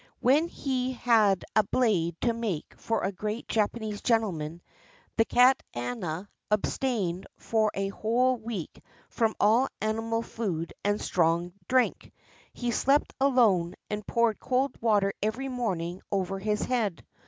When he had a blade to make for a great Japanese gentleman, the Katanya abstained for a whole week from all animal food and strong drink; he slept alone, and poured cold water every morning over his head.